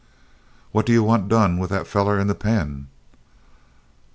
"What do you want done with that feller in the pen?"